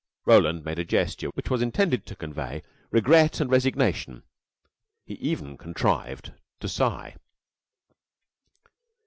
Roland made a gesture which was intended to convey regret and resignation. He even contrived to sigh.